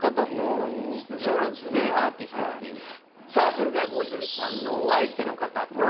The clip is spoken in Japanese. それでは郷ひろみさんのお相手の方この方です。